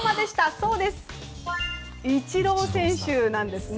そう、イチロー選手なんです。